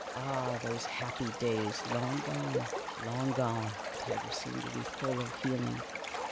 Ah, those happy days, long gone, long gone." (The Tiger seemed to be full of feeling.)